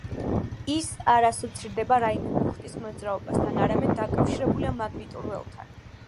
ის არ ასოცირდება რაიმე მუხტის მოძრაობასთან, არამედ დაკავშირებულია მაგნიტურ ველთან.